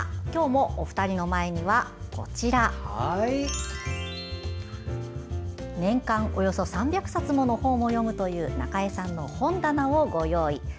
今日も、お二人の前には年間およそ３００冊もの本を読むという中江さんの本棚をご用意。